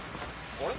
あれ？